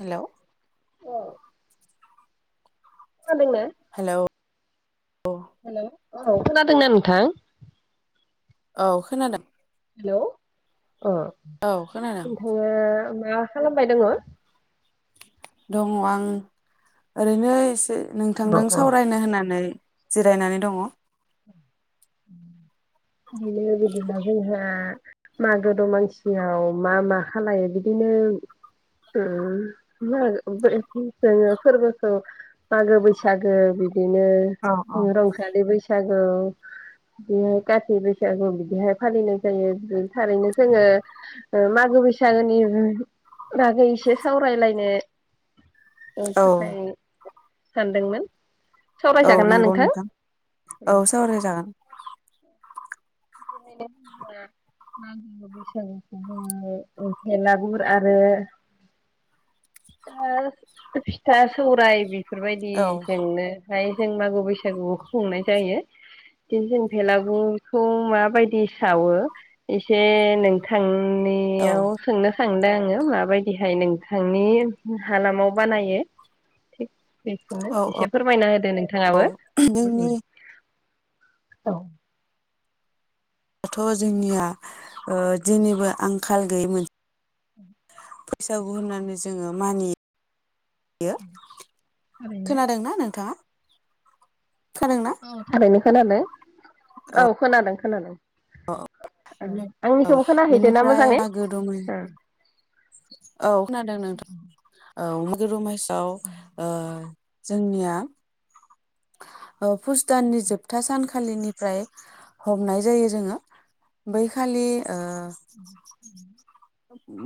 Hello औ खोनादोंना? Hello hello औ खोनादोंना नोंथां? औ खोनादों। हेलौ ओ औ खोनादों नोंथाङा ओ मा खालामबाय दङ'? दङ' आं ओरैनो एसे नोंथांदों अ सावरायनो होननानै। जिरायनानै दङ। [inaudible] [unintelligible] जोहा मागो दमासियाव मा मा खालायो बिदिनो उ जोङो फोरबोखौ मागो बैसागो बिदिनो औ रंजालि बैसागु। जागौ बेहाय कात बैसागु बिदिहाय फालिनाय जायो थारैनो जोङो ओ मागो बैसागोनि बागै एसे सावरायलायनो ओ औ थाखाय सानदोंमोन। औ सावरायजागोन ना नंगौ नोंथां औ सावराय जागोन। [unintelligible] मागो बैसागुखौ जोङो भेलागुर आरो फिथा सौराय बि औ बेफोरबायदिजेंनो हाय जों मागो बैसागु खुंनाय जायो बि जों भलागुरखौ माबायदि सावो एसे नोंथां औ नियाव सोंनो। थांदों आङो माबायदिहाय नोंथांनि हालामाव बानायो? बेखौनो औ एसे औ फोरमायना होदो नोंथाङाबो। औ जोंनियाथ' औ। दाथ' जोंनिया ओ दिननिबो आंखां खाल गैयोमोन। फैसागु होननानै जोङो मानियो। बियो खोनादोंना नोंथाङा? खोनादोंना? औ थारैनो खोनादो। औ खोना खोनादों। औ आंनिखौबो खोनाहैदों ना बेनिफ्राय मोजाङै? मागो दङ औ खोनादों नोंथा। औ मागो दमासि औ ओ जोंनिया ओ पुस दाननि जोबथा सानखालिनिफ्राय हमनाय जायो जोङो बैखालि ओ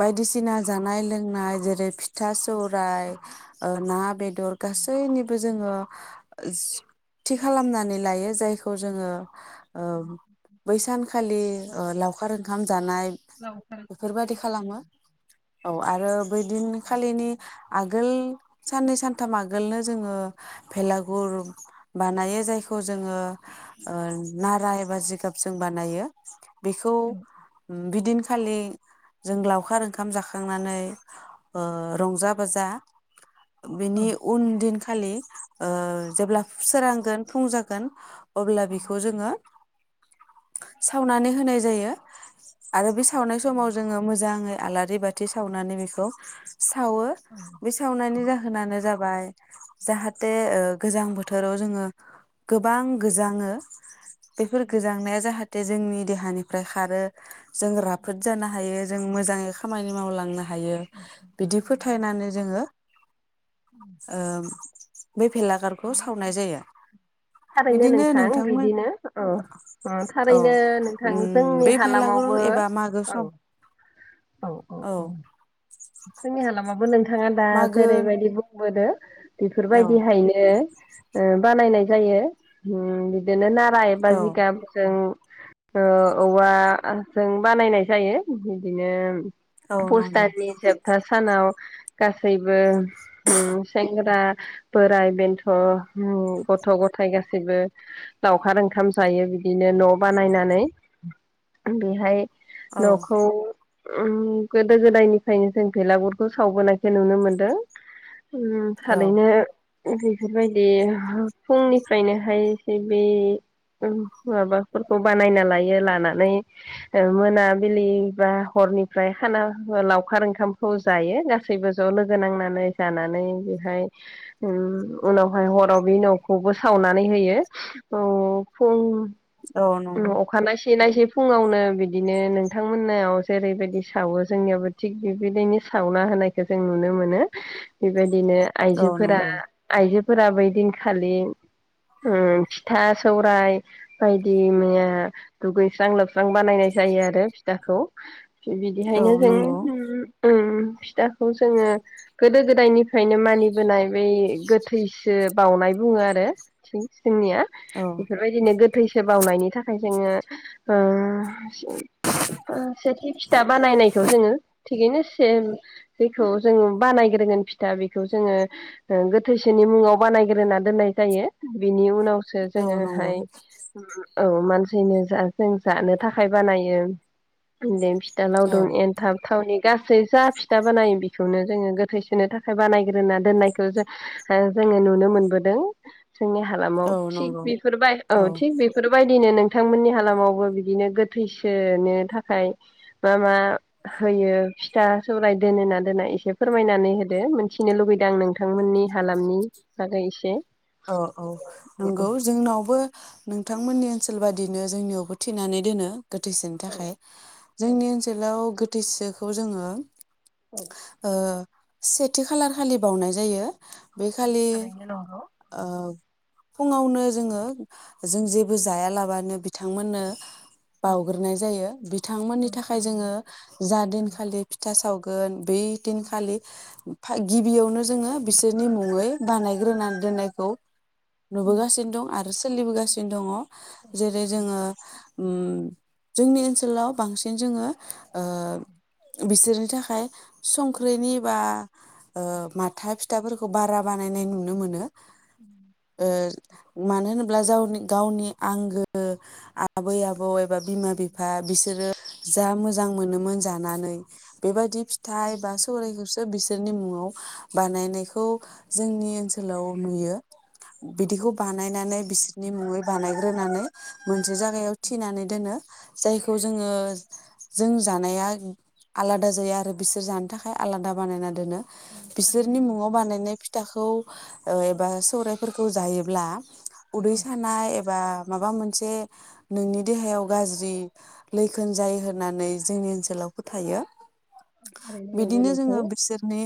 बायदिसिना जानाय लोंनाय जेरै फिथा सौराय ओ ना बेे दर गासैनिबो जोङो जि थि खालामनानै लायो जायखौ जोङो ओ [inaudible] बै सानखालि ओ लावखार ओंखाम लावखार। बादि खालामो। औ आरो बैदिनखालिनि आग गोल साननै सानथाम आगोलनो जोङो भेलागुर बानायो जायखौ जोङो ओ नारा एबा जिगाब जों बानायो। बेखौ ओम बिदिनखालि जों लावखार ओंखाम जाखांनानै ओ रंजा बाजा बिनि उन दिनखालि ओ जेब्ला सोरांगोन फुं जागोन। अब्ला बिखौ जोङो सावनानै होनाय जायो आरो बे सावनाय ओ मोजाङै आलारि बाथि सावनानै बिखौ सावो बे सावनायनि जाहोनानो जाबाय जाहाथे ओ गोजां बोथोराव जोङो गोबां गोजाङो। बेफोर गोजांनाया जाहाथे। जोंनि देहानिफ्राय खारो जों राब। फोद जानो हायो जों मोजाङै खामानि मावलांनो हायो बिदि फोथायनानै जोङो ओम थारैनो बिदिनो नोंथां नोंथांमोन बिदिनो औ औ थारैनो उम नोंथां बे जोंनि भेलागुर हालामावबो। एबा मागो औ। सम औ। जोंनि हालामाबो नों। थाङा दा मागो जेरैबायदि बुंबोदो। औ बेफोरबायदिहायनो। ओ बानायनाय जायो उम बिदिनो ना जायबा औ जिगाबजों ओ औवाजों बानायनाय जायो बिदिनो औ नंगौ। दा सानाव गासैबो होम सेेंग्रा बोराय बेन्थ' गथ' गथाय गासैबो लावखार ओंखाम जायो बिदिनो न'बानायनानै बेहाय औ न'खौ उम गोदो गोदायनि फ्रायनो जों बेलागुरखौ सावबोनायखौ नुनो मोनदों। ओम औ थारैनो बेफोरबायदि फुंनिफ्रायनोहाय एसे बे उम माबाफोरखौ बानायना लायो लानानै मोनाबिलि बा हरनिफ्राय खाना लाव खार ओंखामखौ जायो गासैबो ज'लोगो नांनानै जानानै बेहाय उम उनावहाय हराव बे न'खौबो सावनानै होयो फुं औ नंगौ अखानायसेै नायसै फुङावनो बिदिनो नोंथांमोनाव जेरैबायदि सावो जोंनियावबो थिग बिबायदिनो सावना होनायखौ जों नुनो मोनो बायदिनो औ आइजोफोरा नंगौ आइजो फोरा बै दिनखालि उम फिथा सौराय बायदि मैया दुगैस्रां लोबस्रां बानायनाय जायो आरो फिथाखौ औ बिदिहायनो जों नंगौ उ ओम। फिथाखौ जोङो गोदो गोदायनिफ्रायनो मानिबोनाय बै गोथैसो बावनाय बुङो आरो इथिं जोंनिया औ बेफोरबायदिनो गो थैसो बावनायनि थाखाय जोङो ओ सेथि फिथा बानायनायखौ जोङो थिगैनो से जेखौ जोङो बानायग्रोगोन फिथा बेखौ जोङो गोथैसेनि मुङाव बानायग्रोना दोननाय जायो बिनि उनाव सो औ नंगौ जोङोहाय औ मानसिनो जा जों जानो थाखाय बानायो औ लावदुम, एनथाब, गावनि गासै जा फिथा बानायो बेखौनो जोङो गोथैसोनो थाखाय बानायग्रोना दोननायखौ जों जोङो नुनो मोनबोदों। जोंनि हालामाव औ थिग नंगौ बेफोरबाय औ थिग बेफोरबायदिनो नों नोंथांमोननि हालामावबो बिदिनो गोथैसोनो थाखाय मा मा होयो फिथा सौराय दोनोना दोननाय एसे फोरमायनानै होदो मिथिनो लुगैदों आं नोंथांमोननि हालामनि बागै एसे। औ औ नंगौ जोंनावबो नोंथांमोननि ओनसोल बादिनो जोंनियावबो थिनानै दोनो गोथैसोनो थाखाय जोंनि ओनसोलाव गो [unintelligible] जोङो ओ सेथि खालार खालिबावनाय जायो। बे ओ खालि थारैनो नंगौ। ओ फुङावनो जोङो जों जेबो जायालाबानो बिथांमोननो बावग्रोनाय जायो बिथांमोननि थाखाय जोङो जा दिनखालि फिथा साव गोन बै दिनखालि [unintelligible] गिबियावनो जोङो बिसोरनि मुङै बानायग्रोना दोननाय औ। नुबोगासिनो दं आरो सोलिबोगासिनो दङ। जेरै जोङो ओम जोंनि ओनसोलाव बांसिन जोङो ओ बिसोरनि थाखाय संख्रैनि बा ओ माथा फिथ फिथाफोरखौ बारा बानायनाय नुनो मोनो। ओ मानो होन [unintelligible] गावनि आंगो आबै आबौ एब बा बिमा बिफा बिसोरो जा मोजां मोनोमोन जानानै बेबादि फिथाइ बा सौरायखौसो बिसोरनि मुङाव बानायनायखौ जोंनि ओनसोलाव नुयो बिदिखौ बानायनानै बिसोरनि मुङै बानायग्रोनानै मोसे जागायाव थिनानै दोनो जायखौ जोङो जों जानाया आलादा जायो आरो बिसोर जानो थाखाय आलादा बानायना दोनो बिसोरनि मुङाव बानायनाय फिथाखौ एबा सौरायफोरखौ जायोब्ला उदैसानाय एबा माबा मोनसे नोंनि देहायाव गाज्रि लैखोन जायो होननानै जोंनि ओनसोलाव फोथायो। बिदिनो जोङो बिसोरनि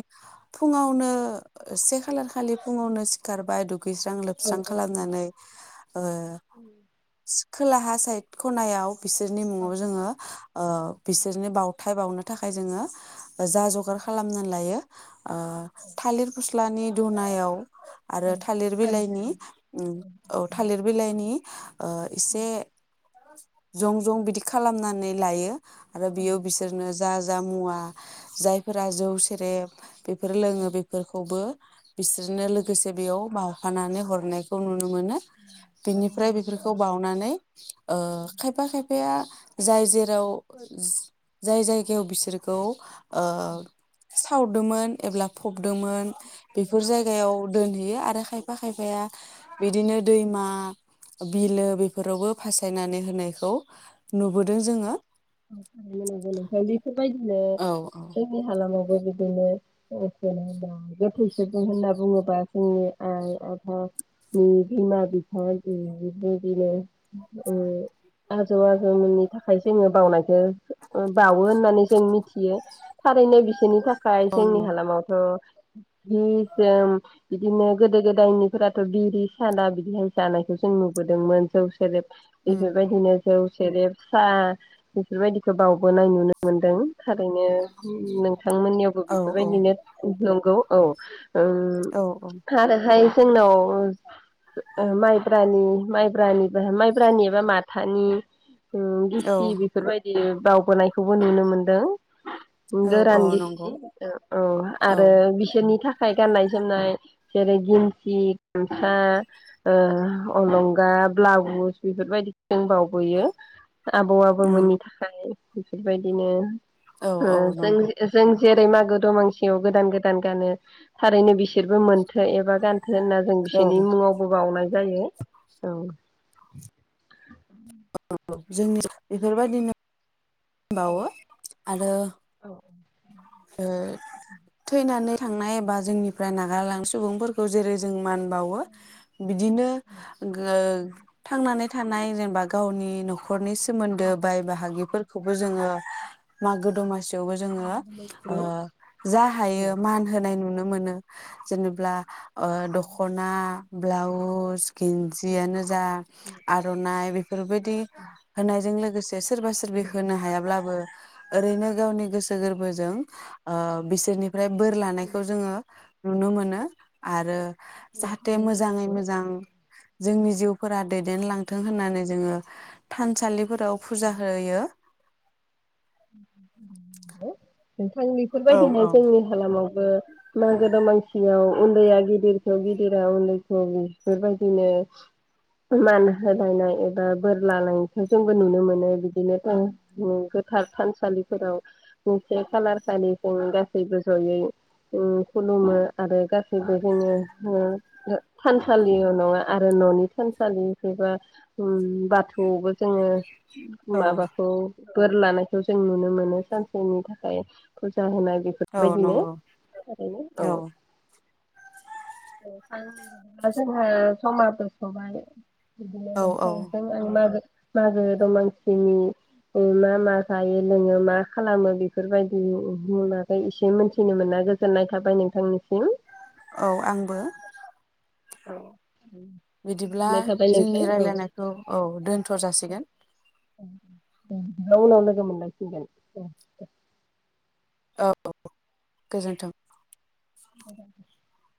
फुङावनो से खालार खालि फुङावनो सिखारबाय दु गैस्रां लोबस्रां खालामनानै ओ स खोलाहा साइद खनायाव बिसोरनि मुङाव जोङो ओ बिसोरनि बाव थाइ बावनो थाखाय जोङो जा जगार खालामनान लायो आ थालिर फस्ल लानि दुनायाव आरो थालिर बिलाइनि उम औ थालिर बिलाइनि [inaudible] ओ इसे जं जं बिदि खालामनानै लायो। आरो बेयाव बिसोरनो जा जा मुवा जायफोरा जौ सेरे बेफोर लोङो बेफोरखौबो बिसोर नो लोगोसे बेयाव बा नानै हरनायखौ नुनो मोनो बिनिफ्राय बेफोरखौ बावनानै ओ खायफा खायफाया जाय जेराव जाय जायगायाव बिसोरखौ ओ सावदोंमोन एब्ला फबदोंमोन बेफोर जायग औ दोनहैयो आरो खायफा खायफाया बिदिनो दैमा बिलो बेफोरावबो फासायनानै होनायखौ नुबोदों जोङो। [unintelligible] बेफोरबायदिनो औ औ जोंनि हालामाव बेबायदिनो [unintelligible] जेनेबा गोथैसो जों होनना बुङोबा जोंनि आइ आफानि बिमा बिफाबायदिनो ओ [unintelligible] आजौमोननि थाखाय जोङो बावनायखौ ओ बावो होननानै जों मिथियो थारैनो बिसोरनि थाख खाय औ जोंनि नंगौ हालामाव थ' जि जोम बिदिनो गोदो गोदायनिफोराथ' बिरि साना बिदिहाय जानायखौ जों नुबोदोंमोन जौ सेरेब उम बेफोरबायदिनो जौ सेरब साह बेफोरबायदिखौ बावबोनाय नुनो मोनदों थारैनो उ नों थांमोननियावबो औ औ बेफोरबायदिनो नंगौ औ ओउम औ खारोहाय जोंनाव माइब्रानि -माइब्रानि -माइब्रानि एबा माथानि औ गिबि बि बेबायदि बावबोनायखौबो नुनो मोनदों। औ औ गोरान नंगौ -गिसि औ औ आरो बिसोरनि थाखाय आखाइ गाननाय -जोमनाय जेरै गिन्सि गामसा ओ अलंगा ब्लाउस बेफोरबायदि जों बावबोयो आबौ उम गुबुननि थाखाय बेफोरबायदिनो औ ओ औ जों नंगौ -जि जों -जि जेरै मागो दमांसेयाव गोदान -गोदान गानो थारैनो बिसोरबो मोनथो एबा गान माथो होनना जों औ बिसोरनि मुङावबो बावनाय जायो औ। [unintelligible] होबावो आरो ओ थैनानै थांनाय एबा जोंनिफ्राय नागारलां सुबुंफोरखौ जेरै जों मान बावो बिदिनो गो थांनानै थानाय जेनेबा गावनि न'खर खरनि सोमोन्दो बाय- बाहागि खौबो जोङो मागो -दमासि थेवबो जोङो जा हायो मान होनाय नुनो मोनो। जेनेब्ला ओ द'खना ब्लाउस गिन्जियानो जा आर'नाइ बेफोरबायदि होनायजों लोगो सोरबा सोरबि होनो हायाब्लाबो ओरैनो गावनि गोसो गोरबो जों अ बिसोरनि ओमफ्राय बोर लानायखौ जोङो नुनो मोनो आरो जाहाथे मोजाङै मोजां जोंनि जिउ फोरा दैदेनलांथों होननानै जोङो थानसालि। फोराव फुजा होयो। [unintelligible] नोंथां औ बेफोरबायदिनो औ जोंनि हालामाव। बो मागो दामासियाव उन्दैया गिदिरखौ गिदिरा उन्दैखौ बेबायदिनो मान होलायनाय एबा बोर लालायनायखौ जोंबो नुनो मोनो बिदिनो। था-थानसालिफोराव मोनसे खालार खालि जों गासैबो जयै खुलुमो आरो गासैबो जोङो थानसालि नङा आरो ननि थानसालि एबा बाथौबो। जोङो औ माबाखौ बोर लानो जों नुनो मोनो सानसेनि थाखाय फुजा होनाय। औ बेफोरबायदिनो नंगौ औ। औ नोंथां दा जोङो समाबो जोबथबाय। बिदिनो औ औ नोंथांजों आं मागो मागो दमासिनि मा मा? जायो लोङो मा खालामो बेफोरबायदि माबै एसे मोनथिनो मोना गोजोननाय थाबाय नोंथांनिसिम। औ आंबो। औ बिदिब्ला जोंनि औ राय्लायनायखौ औ दोनथ‌ जासिगोन। उनाव लोगो मोनलांसिनगोन। औ गोजोन्थों। द द [inaudible]